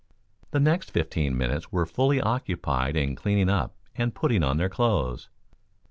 The next fifteen minutes were fully occupied in cleaning up and putting on their clothes.